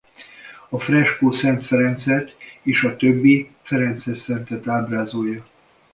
A freskó Szent Ferencet és a többi ferences szentet ábrázolja.